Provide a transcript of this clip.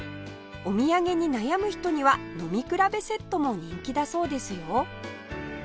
お土産に悩む人には飲み比べセットも人気だそうですよ